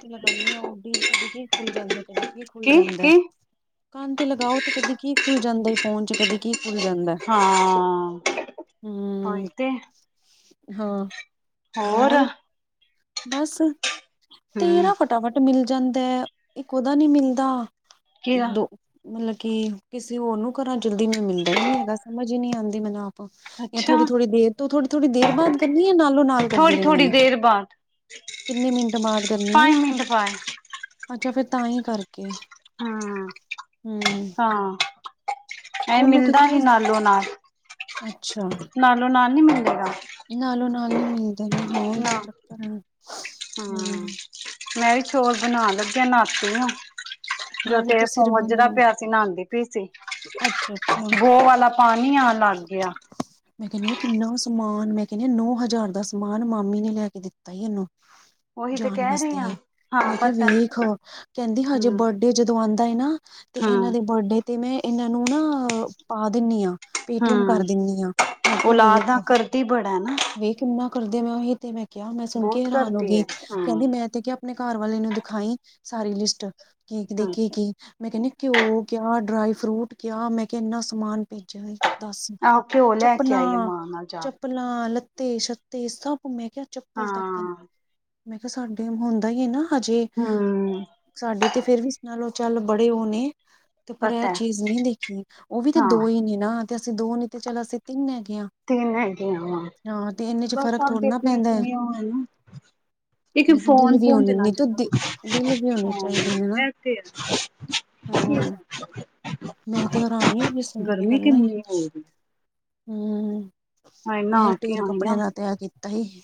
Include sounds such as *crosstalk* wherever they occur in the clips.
ਤੇ ਲਗਾਨੇ ਓ ਉਡੀ ਕਦੇ ਕੀ ਖੁੱਲ ਜਾਂਦੈ ਕਦੇ ਕੀ ਖੁੱਲ ਜਾਂਦੈ। ਕੰਨ ਤੇ ਲਗਾਓ ਤੇ ਕਦੀ ਕੀ ਖੁੱਲ ਜਾਂਦੈ ਫੋਨ ਚ ਕਦੀ ਕੀ ਖੁੱਲ ਜਾਂਦੈ। ਹਾਂ ਤਾਂਈ ਤੇ ਹਾਂ ਹੋਰ ਬਸ ਹਮ ਤੇਰਾ ਫਟਾਫਟ ਮਿਲ ਜਾਂਦੈ ਇਕ ਓਦਾ ਨੀ ਮਿਲਦਾ। ਕੀ ਇ ਦੋ ਮਤਲਬ ਕੀ ਕਿਸੇ ਹੋਰ ਨੂੰ ਘਰਾਂ ਜਲਦੀ ਮੈਨੂੰ ਮਿਲਦਾ ਈ ਨੀ ਹੈਗਾ ਸਮਝ ਈ ਨੀ ਆਂਦੀ *unintelligible* ਜਾਂ ਅੱਛਾ ਥੋੜੀ-ਥੋੜ੍ਹੀ ਦੇਰ ਤੋਂ ਥੋੜੀ-ਥੋੜ੍ਹੀ ਦੇ ਬਾਦ ਕਰਨੀਐ ਨਾਲੋਂ ਨਾਲ ਕਰਦੀ ਥੋੜੀ ਰੈਂਦੀ ਥੋੜ੍ਹੀ ਆ। ਦੇਰ ਬਾਦ। ਕਿੰਨੇ ਮਿੰਟ ਬਾਦ ਕਰਨੀ ਐ ਮਿੰਟ ਬਾਅਦ ਅੱਛਾ ਫੇਰ ਤਾਂ ਈ ਕਰ ਹੁ। ਹਾਂ ਐ ਮਿਲਦਾ ਹੀ ਨਾਲੋਂ ਨਾਲ। ਅੱਛਾ। ਨਾਲੋਂ ਨਾਲ ਨੀ ਮਿਲੇਗਾ। ਨਾਲੋਂ ਨਾਲ ਨੀ ਮਿਲਦੇ ਨਾ ਹਾਂ ਉਹੀ ਤੇ ਨਾ ਚੱਕਰ ਆ ਹੁ। ਹਮ ਮੈਂ ਵੀ ਚੋਲ ਬਨਾਣ ਲੱਗਿਆ ਇਨਾਂ ਆਸਤੇ ਨਾ ਜਦੋ ਮੈਂ ਵੀ ਤੇ ਤੇਰਾ ਫੋਨ ਸਿਰ ਵਜਦਾ ਬਣੀ ਪਿਆ। ਨਹਾਂਦੀ ਪਈ ਸੀ ਅੱਛਾ-ਅੱਛਾ ਬੋ ਵਾਲਾ ਪਾਨੀ ਆਨ ਲੱਗ ਗਿਆ। ਮੈਂ ਕਹਿੰਨੀ ਕਿੰਨਾ ਸਮਾਨ ਮੈਂ ਕਹਿੰਨੀ ਨੌ ਹਜ਼ਾਰ ਦਾ ਸਮਾਨ ਮਾਮੀ ਨੇ ਲੈ ਕੇ ਦਿੱਤਾ ਹੀ ਇਹਨੂੰ। ਉਹੀ ਤੇ ਜਾਨ ਕਹਿ ਰਹੀ ਹਾਂ ਵਾਸਤੇ ਹਾਂ ਮੈਂ ਕਿਹਾ ਪਤਾ ਵੇਖ ਕਹਿੰਦੀ ਹਜੇ ਹਮ ਬ ਇਹ ਜਦੋਂ ਆਂਦਾ ਏ ਨਾ ਤੇ ਇਹਨਾਂ ਹਮ ਦੇ ਬਰਡੇ ਤੇ ਮੈਂ ਇਹਨਾਂ ਨੂੰ ਨਾ ਪਾ ਦਿੰਨੀ ਆਂ। ਪੇਟੀਐਮ ਕਰ ਹਮ ਦਿੰਨੀ ਆ ਮੈਂ ਕਿਹਾ ਔਲਾਦ ਵੇਖ ਨਾ ਕਰਦੀ ਬੜਾ ਨਾ ਵੇਖ ਇੰਨਾ ਕਰਦੇ ਮੈਂ ਉਹੀ ਤੇ ਮੈਂ ਕਿਹਾ ਮੈਂ ਸੁਨ ਕੇ ਬਹੁਤ ਹੈਰਾਨ ਹੋ ਕਰਦੀ ਗਈ ਹੈ ਹਾਂ ਕਹਿੰਦੀ ਮੈਂ ਤੇ ਕਿਆ ਅਪਨੇ ਘਰ ਵਾਲੇ ਨੂੰ ਦਿਖਾਈ ਸਾਰੀ ਲਿਸਟ ਕੀ ਦੇ ਹਮ ਕੇ ਕੀ। ਮੈਂ ਕਹਿੰਨੀ ਘਿਓ ਕਿਆ ਡਰਾਈ ਫਰੂਟ ਕਿਆ ਮੈਂ ਕਿਹਾ ਇਨਾ ਸਮਾਨ ਭੇਜਿਆ ਸੀ। ਦਸ ਆਹੋ ਘਿਓ ਲੈ ਕੇ ਆਈ ਹੈ ਚੱਪਲਾਂ ਮਾਂ ਚ। ਨਾਲ ਜਾ ਕੇ ਚੱਪਲਾਂ ਲੱਤੇ ਸ਼ਤੇ ਸਭ ਮਹਿ ਕਿਹਾ ਚੱਪਲ ਤੱਕਨ ਹਾਂ ਮੈਂ ਕਿਹਾ ਸਾਡੇ ਹੁੰਦਾ ਹੀ ਹੈ ਨਾ ਹਜੇ- ਹਮ ਸਾਡੇ ਤੇ ਫੇਰ ਵੀ ਸੁਨਾ ਲਓ ਚਲ ਬੜੇ ਉਹ ਨੇ- ਤੇ ਪਰ ਇਹ ਪਤਾ ਹੈ। ਚੀਜ ਨਹੀ ਦੇਖੀ ਉਹ ਵੀ ਤੇ ਹਾਂ ਦੋ ਈ ਨੇ ਨਾ ਤੇ ਅਸੀ ਦੋ ਨੀ ਤੇ ਚਲ ਅਸੀ ਤਿੰਨ ਹੈਗੇ ਹਾਂ- ਤਿੰਨ ਹੈਗੇ ਆਂ ਵਾਂ ਹਾਂ ਤੇ ਇੰਨੇ ਚ ਬਸ ਫ਼ਰਕ ਥੋੜ੍ਹਾ ਸਬਦੀ ਨਾ ਅਪਨੀ- ਪੈਂਦਾ ਹੈ ਅਪਨੀ ਉਹ ਏਨਾ- ਇਕ ਨਹੀਂ ਤਾਂ ਫੋਨ- ਦਿਲ ਵੀ ਫੋਨ ਹੋਣੀ ਚਲਾ ਨਹੀਂ ਤੂੰ ਚਦਾ ਦਿਲ ਵੀ ਹੋਣੇ ਚਾਹੀਦੇ ਨੇ ਨਾ ਹੇ ਏ ਤੇ ਹੈ- *unintelligible* ਹ *unintelligible* *unintelligible* ਮੈ ਤੇ ਹੈਰਾਨ ਈ ਹੋਗੀ ਸੁਨ ਕੇ ਗੱਲਾਂ ਹੀ ਕਿੰਨੀ ਹੋ ਰਹੀ ਹੂੰ ਹਾਏ - ਮੈ ਨਹਾ ਕੇ ਢੇਰ ਆਈ ਕੱਪੜੇ ਆ ਦਾ ਤੈਆ ਕੀਤਾ ਈ-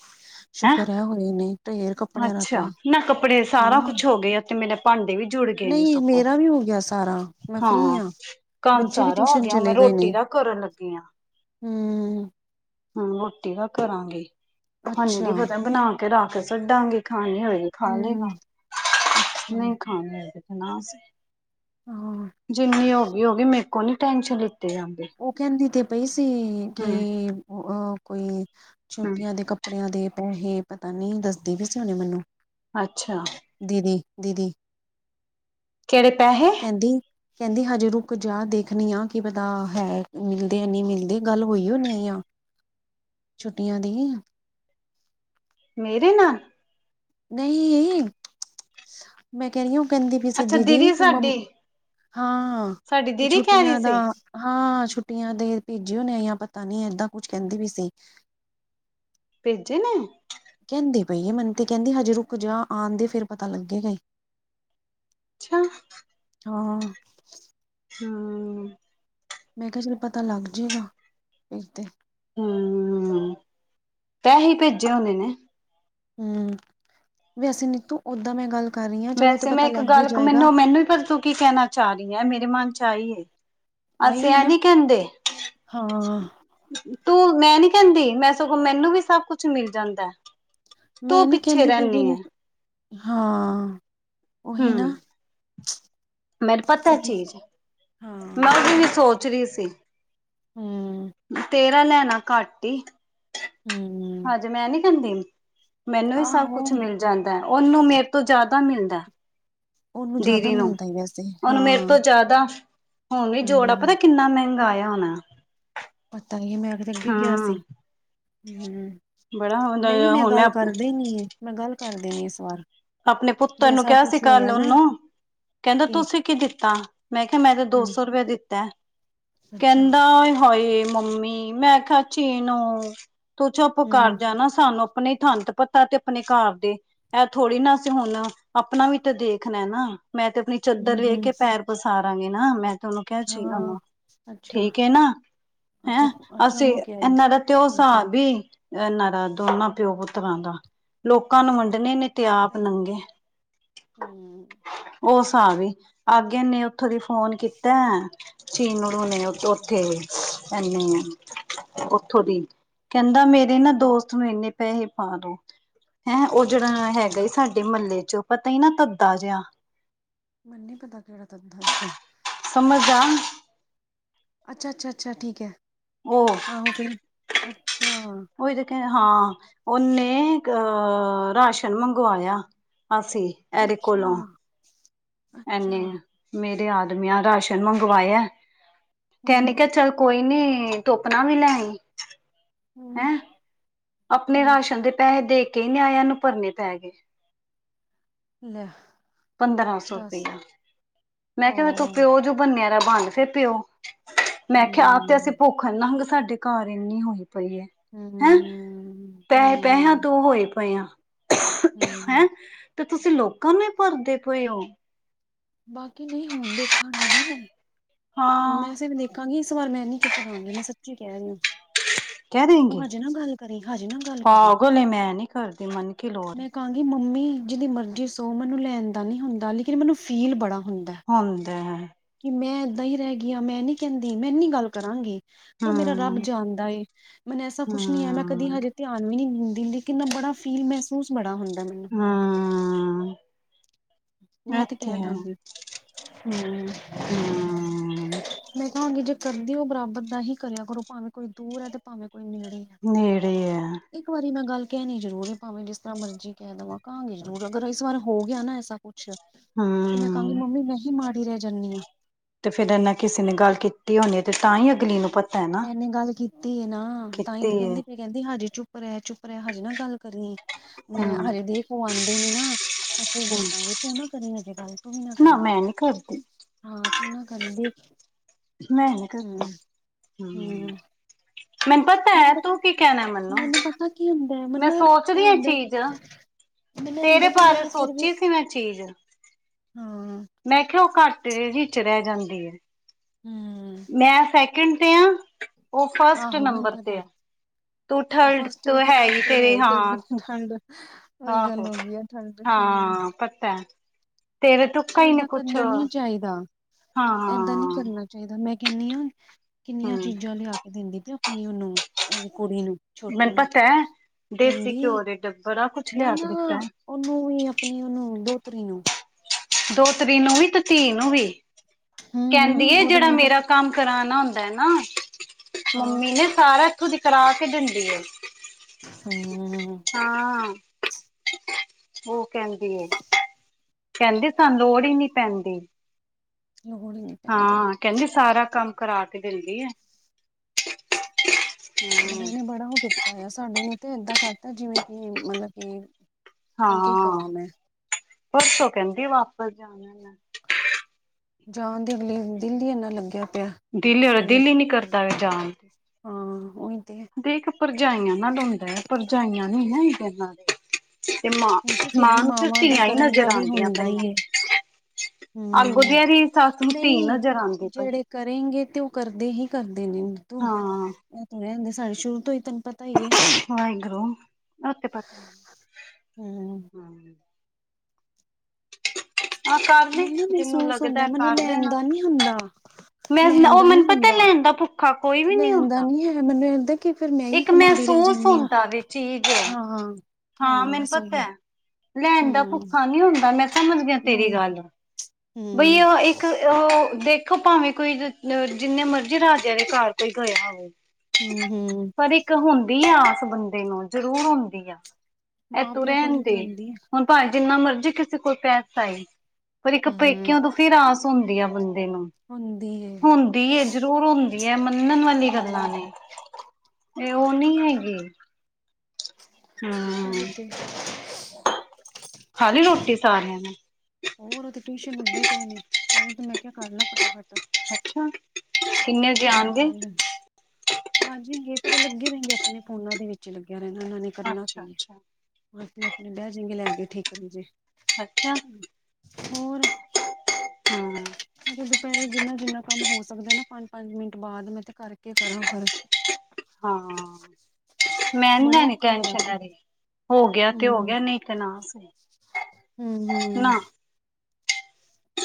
ਹੈਂ ਸ਼ੁਕਰ ਹੈ ਹੋਏ ਨੇ ਢੇਰ ਕਪੜਿਆਂ ਦਾ ਅੱਛਾ ਨਾ ਕੱਪੜੇ ਸਾਰਾ ਤੈਅ- ਕੁਛ ਹੋ ਗਏ ਤੇ ਮੇਰੇ ਭਾਂਡੇ ਵੀ ਜੁੜ ਗਏ ਨੇ ਨਹੀ ਸਗੋਂ ਮੇਰਾ ਵੀ ਹੋ ਗਿਆ ਸਾਰਾ ਮੈ- ਹਾਂ ਕੰਮ ਸਾਰਾ ਹੋ ਗਿਆ ਮੈ ਗਏ ਰੋਟੀ ਨੇ ਦਾ ਕਰਨ ਲੱਗੀ ਆ- ਹੂੰ - ਹੁਨ ਰੋਟੀ ਦਾ ਕਰਾਂਗੇ ਹੁਣੇ ਅੱਛਾ ਦੀ ਬਣਾਕੇ ਰਖ ਸਡਾਂਗੇ ਖਾਣੀ ਹੋਏ- ਖਾ ਲੇਗਾ ਹੂੰ ਅੱਛਾ ਨਹੀ ਖਾਨੀ ਹੋਏਗੀ ਤੇ ਨਾ ਹਾਂ ਸਹੀ- ਜਿਨੀ ਹੋ ਗਈ ਹੋ ਗਈ ਮੇਰੇ ਕੋ ਨੀ ਟੈਨਸ਼ਨ ਲਿਤੀ ਜਾ- ਉਹ ਕਹਿੰਦੀ ਤੇ ਪਈ ਸੀ ਕਿ ਅਹ ਕੋਈ- ਹੂੰ ਛੋਟੀਆਂ ਦੇ ਕੱਪੜਿਆਂ ਦੇ ਪੈਹੇ ਪਤਾ ਨਹੀ ਦਸਦੀ ਵੀ ਸੀ ਹੁਨੇ ਮੈਨੂੰ- ਅੱਛਾ- ਦੀਦੀ -ਦੀਦੀ- ਕੇਹੜੇ ਪੈਹੇ- ਕਹਿੰਦੀ- ਕਹਿੰਦੀ ਹਜੇ ਰੁੱਕ ਜਾ ਦੇਖਨੀ ਆ ਕਿ ਪਤਾ- ਹੈ ਮਿਲਦੇ ਨਹੀ ਮਿਲਦੇ ਗੱਲ ਹੋਈ ਹੋਨੀ ਆ ਛੁੱਟੀਆਂ ਦੀ- ਮੇਰੇ ਨਾਲ- ਨਹੀ ਮੈ ਕਹਿ ਰਹੀ ਆ ੳਹ ਕਹਿੰਦੀ ਪਈ ਸੀ ਅੱਛਾ ਦੀਦੀ ਕਿ ਮੰਮ- ਸਾਡੀ ਹਾਂ ਹਾਂ ਸਾਡੀ ਕਿ ਦੀਦੀ ਕਹਿ ਛੁੱਟੀਆਂ ਰਹੀ ਸੀ ਦਾ- ਹਾਂ ਛੁੱਟੀਆਂ ਦੇ ਭੇਜੇ ਹੋਨੇ ਯਾ ਪਤਾ ਨੀ ਏਦਾਂ ਕੁਛ ਕਹਿੰਦੀ ਵੀ-ਸੀ। ਭੇਜੇ ਨੇ- ਕਹਿੰਦੀ ਪਈ ਏ ਮੈਨ ਤੇ ਕਹਿੰਦੀ ਹਜੇ ਰੁੱਕ ਜਾ ਆਨ ਦੇ ਫੇਰ ਪਤਾ ਲਗੇਗਾ ਹੀ- ਅੱਛਾ- ਹਾਂ। ਹਾਂ। ਮੈ ਕਿਹਾ ਚਲੋ ਪਤਾ ਲੱਗ ਜਾਏਗਾ ਨਹੀਂ ਤੇ- ਹੂੰ ਪੈਸੇ ਭੇਜੇ ਹੋਣੇ ਨੇ- ਹੂੰ ਅਸੀਂ ਨੀ ਤੂੰ ਓਦਾ ਮੈ ਗੱਲ- ਕਰ ਰਹੀ ਹਾਂ ਚਲੋ ਤੇ ਵੈਸੇ ਮੈ ਪਤਾ ਇੱਕ ਲੱਗ ਹੀ ਗੱਲ ਜਾਏਗਾ ਮੈਨੂੰ- ਮੈਨੂੰ ਵੀ ਪਰਤੂੰ ਕੀ ਕਹਿਣਾ ਚਾਹ ਰਹੀ ਆ ਮੇਰੇ ਮਨ 'ਚ ਆਈ- ਆਈ ਅਸੀਂ ਏ ਐ ਨਾ ਨੀ ਕਹਿੰਦੇ- ਹਾਂ ਤੂੰ ਮੈ ਨੀ ਕਹਿਦੀ ਮੈ ਸਗੋਂ ਮੈਨੂੰ ਵੀ ਸਭ ਕੁਛ ਮਿਲ ਜਾਦਾ- ਮੈਂ ਤੂੰ ਨੀ ਪਿੱਛੇ ਕਹਿੰਦੀ ਫਿਰ ਵੀ ਰਹਿਦੀ ਹੈ। ਹਾਂ ਉਹੀ ਹਮ ਨਾ- ਮੈਨੂੰ ਪਤਾ ਚੀਜ ਮੈ ਹਾਂ ਉਹਦੀ ਵੀ ਸੋਚ ਰਹੀ ਸੀ। ਹੂੰ,,, ਤੇਰਾ ਲੈਣਾ ਘੱਟ ਹੀ- ਹੂੰ,,, ਅੱਜ ਮੈ ਨੀ ਕਹਿਦੀ ਮੈਨੂੰ ਵੀ ਸਭ ਆਹੋ ਕੁਛ ਮਿਲਦਾ- ਜਾਦਾ ਉਹਨੂੰ ਮੇਰੇ ਤੋ ਜਿਆਦਾ ਮਿਲਦਾ- ਉਹਨੂੰ ਜ਼ਿਆਦਾ ਦੀਦੀ ਨੂੰ ਮਿਲਦਾ ਹੀ ਵੈਸੇ ਉਹਨੂੰ ਮੇਰੇ ਹਾਂ ਤੋ ਜਿਆਦਾ- ਹੁਣੇ ਜੋੜਾ ਪਤਾ ਹੂੰ ਕਿਨਾ ਮਹਿਗਾ ਆਇਆ ਹੋਣਾ- ਬਤਾਈਏ ਮੈ ਅੱਗੇ ਕਿਹਾ ਸੀ ਹਮ ਹੂੰ ਬੜਾ - ਨਹੀਂ ਮੈ ਹੁਣ ਮੈਂ ਗੱਲ ਕਰਦੇ ਨਹੀਂ ਮੈ ਗੱਲ ਕਰਦੇ ਇਸ ਵਾਰ- ਆਪਣੇ ਜੇ ਪੁੱਤਰ ਨੂੰ ਐਸਾ ਕਿਹਾ ਸੀ ਕੁਛ ਕੱਲ ਹੋਇਆ ਨਾ ਉਹਨੂੰ- ਕਹਿੰਦਾ ਕਿ ਤੁਸੀਂ ਕੀ ਦਿੱਤਾ ਮੈਂ ਕਿਹਾ ਮੈਂ ਤਾਂ ਦੋ ਹੂੰ ਸੋ ਰੁਪਇਆ ਦਿੱਤਾ। ਅੱਛਾ ਕਹਿੰਦਾ ਆਏ ਹਾਏ ਮੰਮੀ ਮੈਂ ਕੇ ਚੀਨੂ। ਤੂੰ ਚੁੱਪ ਘਰ ਹੂੰ ਕਰ ਜਾ ਸਾਨੂੰ ਆਪਣੇ ਸਾਨੂੰ ਤੇ ਪਤਾ ਆਪਣੇ ਪੱਤਾ ਤੇ ਆਪਣੇ ਘਰ ਦੇ। ਥੋੜੀ ਨਾ ਅਸੀਂ ਹੁਣ ਆਪਣਾ ਵੀ ਤੇ ਦੇਖਣਾ ਨਾ ਮੈਂ ਤੇ ਆਪਣੀ ਹੂੰ ਚਾਦਰ ਵੇਖ ਹੂੰ ਕੇ ਪੈਰ। ਪਸਾਰਾਂਗੇ ਨਾ ਮੈਂ ਤੇ ਉਹਨੂੰ ਕਿਹਾ ਸੀਗਾ ਹਾਂ ਉਹਨੂੰ ਅੱਛਾ ਠੀਕ ਹੈ ਨਾ ਹੈ ਅੱਛਾ ਅੱਛਾ ਅਸੀਂ ਉਹਨੂੰ ਕਿਹਾ ਸੀ ਇਨਾ ਦਾ ਓ ਅੱਛਾ ਹਿਸਾਬ ਵੀ, ਇਹਨਾਂ ਦਾ ਦੋਨਾਂ ਪਿਓ ਪੁੱਤਰਾਂ ਦਾ ਲੋਕਾਂ ਨੂੰ ਵੰਡਣੇ ਨੇ। ਤੇ ਆਪ ਨੰਗੇ ਹੂੰ। ਉਹ ਹਿਸਾਬ ਵੇ ਅਗੇਨੇ ਇੰਨੇ ਉਥੋਂ ਦੀ ਫੋਨ ਕੀਤਾ। ਚੀਮਰ ਆਉਣੀ ਉੱਥੇ ਤੇ ਅੱਛਾ ਉੱਥੇ ਐਨੀ ਉੱਥੋਂ ਦੀ ਕਹਿੰਦਾ ਮੇਰੇ ਨਾ ਹੂੰ ਦੋਸ। ਨੂੰ ਇੰਨੇ ਪੈਸੇ ਪਾ ਦੋ ਹੈ ਉਹ ਜਿਹੜਾ ਅੱਛਾ ਹੈ। ਸਾਡੇ ਮਹੱਲੇ ਚੋਂ ਪਤਾ ਹੀ ਨਾ ਧੱਦਾ ਜਿਹਾ। ਮੈਨੂੰ ਨੀ ਪਤਾ ਕਿਹੜਾ ਧੰਦਾ ਜਿਹਾ। ਸਮਝ ਆ। ਅੱਛਾ ਅੱਛਾ ਅੱਛਾ ਠੀਕ ਹੈ ਉਹ ਆਹੋ ਫਿਲ ਅੱਛਾ। ਉਹੀ ਤੇ ਕਿਹਾ ਹਾਂ ਉਹਨੇ ਅਹ ਰਾਸ਼ਨ ਮੰਗਵਾਇਆ। ਅਸੀਂ। ਅੱਛਾ। ਅੱਛਾ ਐਨੇ ਮੇਰੇ ਆਦਮੀਆਂ ਰਾਸ਼ਨ ਮੰਗਵਾਇਆ ਕੈਨੀ ਹੂੰ, ਕਿਹਾ ਚੱਲ। ਕੋਈ ਨੀ ਤੂੰ ਆਪਣਾ ਵੀ ਲੈ ਆਈ। ਹੈ ਹੂੰ, ਆਪਣੇ ਹੂੰ ਰਾਸ਼ਨ ਦੇ ਪੈਸੇ ਦੇ ਕੇ ਹੀ ਨਹੀਂ ਆਇਆ ਇਹਨੂੰ ਭਰਨੇ ਤੇ ਹੈਗੇ। ਲੈ ਪੰਦਰਾਂ ਸੌ ਦੱਸ ਰੁਪਇਆ ਮੈਂ ਹੋ ਕਿਹਾ ਮੈਂ ਤੂੰ ਪਿਓ ਜੋ ਬੰਨਿਆ ਦਾ ਬੰਦ ਫਿਰ ਪਿਓ ਮੈਂ ਕਿਹਾ ਆਪ ਤੇ ਅਸੀਂ ਹੂੰ, ਭੁੱਖ ਨੰਗੇ ਸਾਡੇ ਘਰ ਇੰਨੇ ਹੋਏ। ਪਈਏ। ਹੂੰ-ਹੂੰ। ਪੈਸ-ਪੈਸਿਆਂ, ਤੋਂ ਹੋਈ ਪਏਆਂ ਹਾ। ਹੂੰ ਤੇ ਤੁਸੀਂ, ਲੋਕਾਂ ਨੂੰ ਹੀ ਭਰਦੇ ਪਏ ਹੋ। ਬਾਕੀ ਨਹੀਂ, ਹੁਣ ਦੇਖਾਂਗੀ ਨਾ ਮੈਂ ਹੁਣ ਹਾਂ ਵੈਸੇ ਦੇਖਾਂਗੀ, ਇਸ ਸ ਵਾਰ ਮੈਂ ਨੀ ਚੁੱਪ ਰਹਾਂਗੀ, ਮੈਂ ਸੱਚੀ ਕਹਿ ਰਹੀ ਹਾਂ। ਕਹਿ ਦੇ ਗੀ, ਤੂੰ ਹਜੇ ਨਾ ਗੱਲ ਕਰੀ ਹਜੇ ਨਾ ਗੱਲ ਕਰੀ ਪਾਗਲੇ ਮੈਂ ਨਹੀਂ ਕਰਦੇ, ਮੰਨ ਕੇ ਲੋਰ। ਮੈਂ ਕਹਾਂਗੀ ਕਿ ਮੰਮੀ, ਜਿਹਦੀ ਮਰਜ਼ੀ ਸੋ ਮੈਨੂੰ ਲੈਣ ਦਾ ਨਹੀਂ ਹੁੰਦਾ, ਲੇਕਿਨ ਮੈਨੂੰ ਫੀਲ ਬੜਾ ਹੁੰਦਾ। ਹੁੰਦੇ ਹੈ। ਕਿ ਮੈਂ ਏਦਾਂ ਹੀ ਰਹਿ ਗਈ ਹਾ, ਮੈਂ ਨੀ ਕਹਿੰਦੀ, ਮੈਂ ਏਨੀ ਗੱਲ ਕਰਾਂਗੀ। ਕਿ ਉਹ ਮੇਰਾ ਰੱਬ ਹੂੰ ਜਾਣਦਾ ਏ, ਮੈਨੂੰ ਐਸਾ ਕੁੱਛ ਨੀ ਹੈ ਮੈਂ ਕਦੀ ਹੂੰ ਹਜੇ ਧਿਆਨ ਵੀ ਨਹੀਂ ਦਿੰਦੀ, ਲੇਕਿਨੈਂ ਬੜਾ ਫੀਲ-ਮਹਿਸੂਸ ਬੜਾ ਹੁੰਦਾ। ਮੈਨੂੰ ਹਾਂ। ਮੈਂ ਤੇ ਕਹਿ ਦਾਂਗੀ। ਹੂੰ, ਹੂੰ ਮੈਂ ਕਹਾਂਗੀ ਜੇ ਕਰਦੇਓ, ਬਰਾਬਰ ਦਾ ਹੀ ਕਰਿਆ ਕਰੋ। ਭਾਵੇਂ ਕੋਈ ਦੂਰ ਹੈ, ਤੇ ਭਾਵੇਂ ਕੋਈ ਨੇੜੇ ਹੈ। ਨੇੜੇ ਹੈ ਇੱਕ ਵਾਰੀ ਮੈਂ ਗੱਲ ਕਹਿਣੀ ਜ਼ਰੂਰ, ਭਾਵੇਂ ਜਿਸ ਤਰ੍ਹਾਂ ਮਰਜ਼ੀ ਕਹਿ ਦੇਵਾਂ। ਕਹਾਂਗੇ ਜ਼ਰੂਰ, ਅਗਰ ਇਸ ਵਾਰ ਹੋ ਗਿਆ ਨਾ ਐਸਾ ਕੁੱਛ ਹੂੰ। ਮੰਮੀ, ਮੈਂ ਹੀ ਮਾੜੀ ਰਹਿ ਜਾਂਦੀ ਹਾਂ। ਤੇ ਫੇਰ ਇਨਾ ਕਿਸੇ ਨੇ ਗੱਲ ਕੀਤੀ ਹੋਨੀ ਹੈ, ਤੇ ਤਾਂ ਹੀ ਅਗਲੀ ਨੂੰ ਪਤਾ। ਹੈ ਨਾ ਇਹਨੇ ਗੱਲ ਕੀਤੀ ਨਾ, ਤਾਂਹੀ ਕੀਤੀ ਤੇ ਹੈ ਕਹਿੰਦੀ ਪਈ ਕਹਿੰਦੀ ਹਜੀੇ ਚੁੱਪ ਰਿਹਾ, ਚੁੱਪ ਰਿਹਾ, ਹਜੇ ਨਾ ਗੱਲ ਕਰੀ, ਮੈਂ ਹੂੰ ਹਜੇ ਦੇਖ ਆਉਂਦੇ ਨੇ ਨਾ ਅਸੀੇ ਹੂੰ ਦੱਸਾਂਗੇ, ਤੂੰ ਨਾ ਕਰੀ ਅਜੇ ਗੱਲ, ਤੂੰ ਵੀ ਨਾ ਕਰੀ ਹੈ। ਮੈਂ ਨੀ ਕਰਦੀ ਨਈ ਕਰਦੀ। ਮੈਂ ਨ ਕਰਦੀ। ਹੂੰ ਮੈਨੂੰ ਪਤਾ ਹੈ ਤੂੰ ਕੀ ਕਹਿਣਾ ਮੈਨੂੰ, ਪਤਾ ਕੀ ਹੁੰਦਾ ਹੈ ਮੈਂ ਮੈਨੂੰ ਸੋਚ ਇਹ ਰਿਆਂ ਹੁੰਦਾ ਚੀਜ਼। ਮੈਨੂੰ ਇਹ ਤੇਰੇ ਹੁੰਦਾ ਕਿ ਬਾਰੇ, ਮੈਂ ਸੋਚੀ ਸੀ ਮੈਂ ਚੀਜ਼। ਹੰ। ਮੈਂ ਕਿਹਾ, ਉਹ ਘਾਟੇ ਦੇ ਵਿਚ ਰਹਿ ਜਾਂਦੀਏ। *inaudible* ਹਮ। ਮੈਂ ਸੈਕਿੰਡ ਤੇ ਆ, ਉਹ ਫਸਟ ਆਹੋ ਮੈਨੂੰ ਨੰਬਰ ਤੇ ਪਤਾ ਆ। ਤੂੰ ਥਰਡ ਫਸਟ ਤੂੰ ਵੀ ਤੇ ਹੈ ਫਸਟ ਹੀ ਤੇਰੇ ਹੈ ਹਾਂ ਤੇ ਉਹਨੂੰ ਪਾਖੰਡ, ਉਹੀ ਆਹੋ ਗੱਲ ਹੋ ਗਈ ਆ। ਠੰਡ ਹੂੰ ਹਾਂ ਪਤਾ ਐ, ਤੇਰੇ ਤੁੱਕਾ ਪਰ ਹੀ ਨੇ ਏਦਾਂ ਕੁਛ, ਕਰਨਾ ਨੀ ਚਾਹੀਦਾ ਏਦਾਂ ਨੀ ਹਾਂ। ਕਰਨਾ ਚਾਹੀਦਾ ਮੈਂ ਕਹਿੰਦੀ ਹਾਂ, ਕਿੰਨੀਆਂ ਚੀਜ਼ਾਂ ਲਿਆ ਕੇ ਦਿੰਦੀ ਪਯੀਆਂ ਆਪਣੀ ਉਹਨੂੰ, ਕੁੜੀ ਨੂੰ ਛੋਟੀ ਮੈਨੂੰ ਨੂੰ, ਪਤਾ ਹੈ ਦੇਸੀ ਕਹਿੰਦੀ ਘਿਓ ਦੇ ਡੱਬਾ ਬੜਾ ਕੁਛ ਲਿਆ ਕੇ ਨਾ-ਨਾ ਦਿੱਤਾ ਹੈ ਉਹਨੂੰ ਵੀ ਆਪਣੀ ਉਹਨੂੰ, ਦੋਤਰੀ ਨੂੰ- ਦੋਤਰੀ ਨੂੰ ਵੀ ਤੇ ਧੀ ਨੂੰ ਵੀ, ਹੂੰ ਕਹਿੰਦੀ ਹੂੰ ਹੈ ਉਹ ਤਾਂ ਜਿਹੜਾ ਮੈਨੂੰ ਮੇਰਾ ਪਤਾ ਕੰਮ ਕਰਾਣਾ ਹੁੰਦਾ ਨਾ ਹਾਂ ਮੰਮੀ ਨੇ, ਸਾਰਾ ਇੱਥੋਂ ਦੀ ਕਰਾ ਕੇ ਦਿੰਦੀ ਆ। ਹਮ। ਹਾਂ, ਉਹ ਕਹਿੰਦੀਏ। ਕਹਿੰਦੇ, ਸਾਨੂੰ ਲੋੜ ਹੀ ਨੀ ਪੈਂਦੀ। ਲੋੜ ਹੀਨੀ ਹਾਂ ਕਹਿੰਦੀ, ਸਾਰਾ ਕੰਮ ਕਰਾ ਕੇ ਦਿੰਦੀਏ। ਅਗਲਿਆਂ ਨੇ ਬੜਾ ਉਹ ਕੀਤਾ ਹੋਇਆ। ਸਾਡੇ ਨੂੰ ਤੇ ਏਦਾਂ ਕਰਤਾ, ਜਿਵੇਂ ਕਿ ਮਤਲਬ ਕਿ ਹੁਣ ਕੀ ਕਵਾਂ ਮੈਂ? ਪਰਸੋ ਕਹਿੰਦੀ ਵਾਪਸ ਜਾਣਾ ਮੈਂ ਜਾਣ ਦੇ ਅਗਲੀ ਨੁੰ, ਦਿਲ ਈ ਇੰਨਾ ਲੱਗਿਆ ਪਿਆ। ਦਿਲ ਹੋਏ, ਤੇ ਦਿਲ ਹੀ ਨੀ ਕਰਦਾ ਪਿਆ ਜਾਣ ਹਾਂ, ਉਹੀ ਤੇ। ਦੇਖ, ਭਰਜਾਈਆਂ ਨਾਲ ਹੁੰਦਾ ਏ, ਭਰਜਾਈਆਂ ਨੀ ਨਾ ਇਹਦਾ ਦੇ ਤੇ ਮਾਂ, ਨਹੀਂ ਤਾਂ ਫਿਰ ਮਾਂ ਵੀ ਨੂੰ ਤੇ ਮਾਵਾਂ ਦਾ ਧੀਆਂ ਹੀ ਕਰਨ ਦਾ ਨਜ਼ਰ ਵੀ ਆਉਂਦੀਆਂ ਹੁੰਦਾ ਹੀ ਹੈ ਪਈਆਂ। *inaudible* ਅੱਗੋਂ ਦੀ ਹੂੰ ਇਹਦੀ ਸੱਸ ਨੂੰ ਧੀ ਨਹੀਂ, ਨਜ਼ਰ ਆਉਂਦੀ ਪਈ ਜਿਹੜੇ ਕਰੇਂਗੇ ਤੇ ਉਹ ਕਰਦੇ ਹੀ ਕਰਦੇ ਨੇ। ਹਾਂ। ਰਹਿਣ ਦੇ, ਸਾਡੇ ਸ਼ੁਰੂ ਤੋਂ ਹੀ ਤੈਨੂੰ ਪਤਾ ਹੀ ਏ। ਵਾਹਿਗੁਰੂ, ਉਹ ਤੇ ਪਤਾ। ਹੂੰ ਹਾਂ ਕਰ ਲਈ ਮੈਨੂੰ ਨਾ ਜਿਹਨੂੰ ਮਹਿਸੂਸ ਹੁੰਦਾ, ਲੱਗਦਾ ਮੈਨੂੰ ਕਰ ਲੈਂਨ ਦੇਣਾ ਦਾ ਨੀ ਹੁੰਦਾ। ਮੈਂ ਲੈਣ ਉਹ ਦਾ ਨੀ ਮੈਨੂੰ ਪਤਾ ਹੁੰਦਾ, ਲੈਣ ਦਾ ਭੁੱਖਾ ਕੋਈ ਵੀ ਨਹੀਂ ਲੈਣ ਦਾ ਹੁੰਦਾ ਨੀ ਹੈ ਮੈਨੂੰ ਇਹ ਹੁੰਦਾ ਇੱਕ ਮਹਿਸੂਸ ਹੁੰਦਾ ਵੇ ਚੀਜ਼ ਹਾਂ, ਹਾਂ ਮੈਨੂੰ ਬਸ ਉਹੀਓ ਪਤਾ। ਲੈਣ ਦਾ ਹੂੰ ਭੁੱਖਾ ਨਹੀਂ ਹੁੰਦਾ, ਮੈਂ ਸਮਝ ਗਿਆ ਲੈ ਤੇਰੀ ਗੱਲ। *inaudible* ਭਈਆ ਇੱਕ, ਉਹ ਦੇਖ ਦੇਖੋ, ਭਾਵੇਂ ਕੋਈ ਜਿੰਨੇ ਮਰਜ਼ੀ ਰਾਜਿਆਂ ਦੇ ਘਰ ਕੋਈ ਗਿਆ ਹੋਵੇ। ਹੂੰ ਹੂੰ ਪਰ, ਇੱਕ ਹੁੰਦੀ ਆ ਆਸ ਬੰਦੇ ਨੂੰ ਜ਼ਰੂਰ ਹੁੰਦੀ ਆ। ਇਹ ਮਾਂ ਤੂੰ ਪਿਓ ਕੋਲ ਰਹਿਣ ਹੀ ਦੇ, ਤੇ ਹੁੰਦੀ ਹੈ ਹੁਣ ਭਾਵੇ ਜਿੰਨਾ ਮਰਜ਼ੀ ਕਿਸੇ ਕੋਲ ਪੈਸਾ ਏ। ਹੂੰ ਪੇਕੇਆ ਤੋਂ ਫਿਰ ਆਸ ਹੁੰਦੀ ਆ ਬੰਦੇ ਨੂੰ। ਹੁੰਦੀ ਏ ਹੁੰਦੀ ਏ, ਜ਼ਰੂਰ ਹੁੰਦੀ ਏ ਮੰਨਣ ਵਾਲੀ ਹੂੰ ਗੱਲਾਂ ਨੇ। ਇਹ, ਉਹ ਨਹੀਂ ਹੈਗੀ। ਹਮ *inaudible* ਖਾ ਲੀ ਰੋਟੀ ਸਾਰਿਆਂ ਨੇ? ਹੋਰ, ਉਹ ਤੇ ਟਿਊਸ਼ਨ ਉੱਡੇ ਪਏ ਨੇ ਤਾਂਹੀ ਤੇ ਮੈਂ ਕਿਹਾ ਕਰ ਲਾ ਫਟਾਫਟ। ਅੱਛਾ। ਕਿੰਨੇ ਕੱਪੜੇ ਵਜੇ ਵੀ ਤੈਅ ਆਣਗੇ ਕਰ ਲਏ ਨ। ਆ ਜੇਂਗੇ ਪਰ ਉਹ ਲੱਗੇ ਰਹਿੰਗੇ ਆਪਣੇ ਫੋਨਾਂ ਦੇ ਵਿੱਚ ਲੱਗਿਆ ਰਹਿਣਾ ਉਹਨਾਂ ਨੇ। ਕਰਨਾ ਅੱਛਾ ਕੀ ਅੱਛਾ ਹੈ ਆਪਣੇ ਆਪਣੇ ਬਹਿ ਜਾਏਗੇ ਲੈ ਕੇ ਠੀਕ ਕਰਨ ਜੇ ਅੱਛਾ ਹਾਂ। ਹੋਰ ਮੈਂ ਕਿਹਾ ਦੁਪਹਿਰੇ ਜਿੰਨਾ ਜਿੰਨਾ ਕੰਮ ਹੋ ਸਕਦਾ ਨਾ ਪੰਜ ਪੰਜ ਮਿੰਟ ਬਾਅਦ ਮੈਂ ਤੇ ਕਰਕੇ ਕਰਾਂ ਪਰ ਹਾਂ ਮੈਂ ਨੀ ਬੜਾ ਲੈਨੀ ਔਖਾ ਹੋਇਆ ਟੈਨਸ਼ਨ ਪਿਆ ਇਦੀ ਹੋ ਗਿਆ ਤੇ ਹੋ ਹੂੰ ਗਿਆ ਨਈ ਤੇ ਨਾ ਸਈ ਹੂੰ ਹੂੰ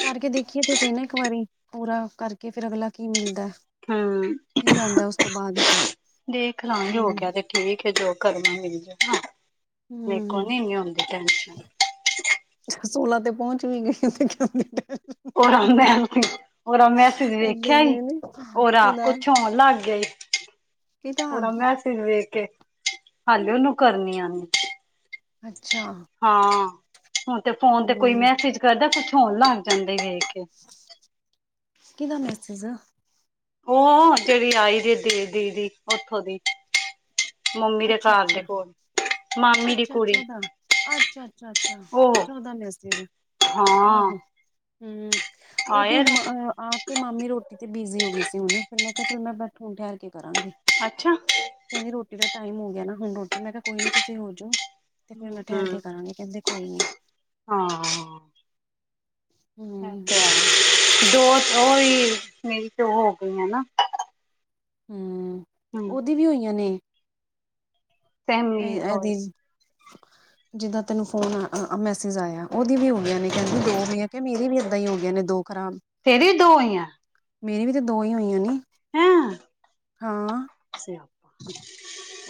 ਕਰਕੇ ਦੇਖੀਏ ਤੇ ਸਹੀ ਨਾ ਇੱਕ ਵਾਰੀ ਪੂਰਾ ਕਰਕੇ ਫੇਰ ਅਗਲਾ ਕੀ ਮਿਲਦਾ। ਹਮ ਕੀ ਆਦਾ ਉਸ ਤੋਂ ਬਾਅਦ ਦੇਖ ਲਾਂਗੇ ਹੋ ਹੂੰ ਗਿਆ ਤੇ ਠੀਕ ਹੈ ਜੋ ਕਰਨਾ ਮਿਲ ਜਾ ਨਾ ਮੇਰੇ ਹੂੰ ਕੋੋ ਨੀ ਇਨੀਆਂ ਹੁੰਦੀਆਂ ਟੈਂਸ਼ਨ। ਸੋਲਾਂ ਤੇ ਪਹੁੰਚ ਵੀ ਗਈ ਤੇ ਉਹਦਾ ਵੇਮ ਸੀ ਉਹਦਾ ਮੈਸੇਜ ਦੇਖਿਆ ਈ ਨੇ ਉਰਾ ਕਿਦਾ ਕੁਛ ਹੋਣ ਲੱਗ ਗਿਆ ਈ ਕਿਦਾ ਤੁਆਡਾ ਮੈਸੇਜ ਵੇਖ ਕੇ ਹਾਲੇ ਓਨੂੰ ਕਰਨੀ ਆ ਨ ਅੱਛਾ। ਹਾਂ, ਹੁਨ ਤੇ ਫੋਨ ਤੇ ਕੋਈ ਹੂੰ ਮੈਸੇਜ ਕਰਦੈ, ਕੁਛ ਹੋਨ ਲੱਗ ਜਾਂਦੇ ਵੇਖ ਕੇ। ਕਿਦਾ ਮੈਸੇਜ ਓ ਜੇੜੀ ਆਈ ਦੀ ਸੀ ਦੀਦੀ, ਓਥੋਂ ਦੀ। ਮੰਮੀ ਦੇ ਘਰ ਦੇ ਕੋਲ ਮਾਮੀ ਦੀ ਅੱਛਾ-ਅੱਛਾ ਕੁੜੀ ਓਦਾ ਅੱਛਾ-ਅੱਛਾ, ਅੱਛਾ-ਅੱਛਾ, ਉਹ ਓਦਾ ਮੈਸਜ ਹਾਂ। ਹੁੰ, ਓਦੇ ਆਏ ਦਾ ਹੁਣ ਆਪ ਤੇ ਮਾਮੀ ਰੋਟੀ ਤੇ ਬਿਜ਼ੀ ਹੋ ਗਈ ਸੀ ਹੁਣ, ਫਿਰ ਮੈਂ ਕੇਯਾ ਚਲ ਮੈਂ ਬੈਠ ਹੁਨ ਠਹਿਰ ਕੇ ਕਰਾਂਗੀ। ਅੱਛਾ। ਕੈਂਦੀ ਰੋਟੀ ਦਾ ਟਾਈਮ ਹੋ ਗਿਆ ਨਾ ਹੁਣ ਰੋਟੀ ਮੈਂ ਕੇਯਾ ਕੋਈ ਨੀ ਤੁਸੀਂ ਹੋਜੋ ਤੇ ਫੇਰ ਮੈਂ ਠਹਿਰ ਕੇ ਹੂੰ ਕਰਾਂਗੀ। ਕੈਂਦੇ ਕੋਈ ਨੀ। ਹੂੰ ਅੱਛਾ, ਦੋ ਓਈਂ ਮੇਰੀ ਦੋ ਹੋ ਗਈਆਂ ਨਾ। ਹੁੰ, ਹਮ ਓਦੀ ਵੀ ਹੋਈਆਂ ਨੇ। ਤੇ ਨਈਂ ਮੇਰੀ ਐਦੀ ਉਹੀ ਜਿੱਦਾਂ ਤੈਨੂੰ ਫੋਨ ਮੈਸੇਜ ਆਇਆ ਓਦੀ ਵੀ ਹੋ ਗਿਆ ਨੇ ਕੈਂਦੀ ਦੋ ਹੋਈ ਆ, ਮੇਰੀ ਵੀ ਏਦਾਂ ਹੋ ਗਈਆਂ ਨੇ ਦੋ। ਖਰਾਬ। ਤੇਰੀ ਵੀ ਦੋ ਹੋਈਐ? ਮੇਰੀ ਵੀ ਤੇ ਦੋ ਈ ਹੋਈਆਂ ਨੇ, ਹੈਂ ਹਾਂ। *inaudible*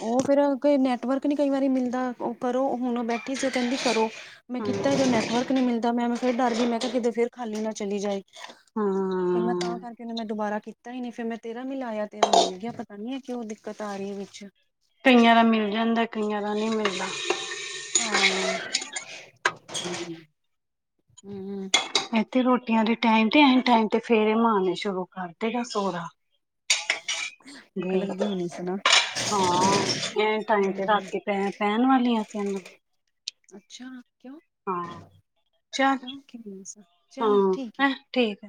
ਓ ਫੇਰ ਨੈਟਵਰਕ ਨਈਂ ਕਈ ਵਾਰੀ ਮਿਲਦਾ ਓ ਕਰੋ ਹੁਨ ਓ ਬੈਠੀ ਸੀ, ਕੈਂਦੀ ਕਰੋ। ਮੈਂ ਕੀਤਾ ਓਦਾ ਹਮ ਨੈਟਵਰਕ ਨਈਂ ਮਿਲਦਾ, ਮੈਂ ਫਿਰ ਡਰ ਗਈ ਮੈਂ ਕੇਯਾ ਕਿਤੇ ਫੇਰ ਖਾਲੀ ਨਾ ਚਲੀ ਜਾਏ। ਹਾਂ। ਤੇ ਮੈਂ ਤਾਂ ਕਾਰਕੇ ਓਨੂੰ ਮੈਂ ਦੁਬਾਰਾ ਕੀਤਾ ਹੀ ਨਈਂ ਫੇਰ ਮੈਂ ਤੇਰਾ ਮਿਲਾਇਆ ਤੇਰਾ ਮਿਲ ਗਿਆ ਪਤਾ ਨੀ ਐ ਕਯੋ ਦਿੱਕਤ ਆਰੀ ਵਿੱਚ। ਕਈਆਂ ਦਾ ਮਿਲ ਜਾਂਦਾ, ਕਈਆਂ ਦਾ ਨਈਂ ਮਿਲਦਾ। ਹਾਂ। *inaudible* ਹੁੰ। ਏਥੇ ਰੋਟੀਆਂ ਦੇ ਟਾਈਮ ਤੇ ਐ ਟਾਈਮ ਤੇ ਫੇਰੇ ਮਾਰਨੇ ਸ਼ੁਰੂ ਕਰ ਦੇਗਾ ਸੋਹਰਾ। ਪੁਖ ਵੀ ਲੱਗੀ ਹੋਣੀ ਸੂੰ ਨਾ। ਹਾਂ, ਐ ਟਾਈਮ ਤੇ ਹਮ ਰਾਤੀ ਪੈ ਪੈਂਣ ਵਾਲੀਆਂ ਸੀ ਏਨੂੰ। ਅੱਛਾ, ਕਿਉਂ ਹਾਂ ਚੱਲ ਕਿਉ ਚਲ ਹਾਂ ਠੀਕ ਐ। ਹੈਂ ਠੀਕ।